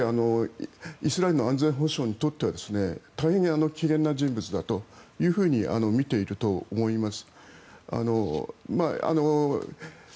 イスラエルの安全保障にとっては大変に危険な人物だとみていると思います。